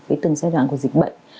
với từng giai đoạn của dịch bệnh